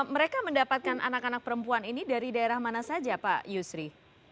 mereka mendapatkan anak anak perempuan ini dari daerah mana saja pak yusri